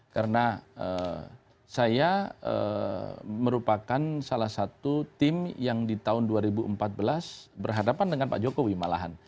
karena saya merupakan salah satu tim yang di tahun dua ribu empat belas berhadapan dengan pak jokowi malahan